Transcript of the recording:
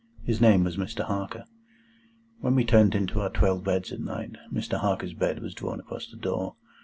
His name was Mr. Harker. When we turned into our twelve beds at night, Mr. Harker's bed was drawn across the door.